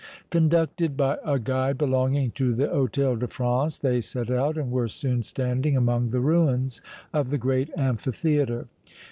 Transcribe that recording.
Conducted by a guide belonging to the Hôtel de France, they set out and were soon standing among the ruins of the great amphitheatre.